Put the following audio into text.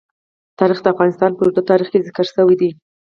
تاریخ د افغانستان په اوږده تاریخ کې ذکر شوی دی.